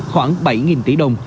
khoảng bảy tỷ đồng